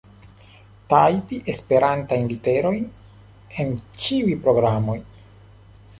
Tajpi Esperantajn literojn en ĉiuj programoj.